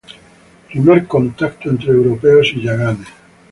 Primer contacto entre europeos y yaganes.